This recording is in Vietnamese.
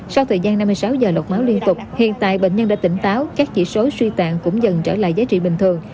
sau thời gian năm mươi sáu giờ lục máu liên tục hiện tại bệnh nhân đã tỉnh táo các chỉ số suy tạng cũng dần trở lại giá trị bình thường